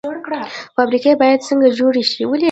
فابریکې باید څنګه جوړې شي؟